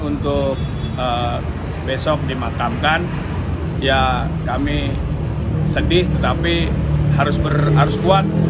untuk besok dimakamkan ya kami sedih tetapi harus berarus kuat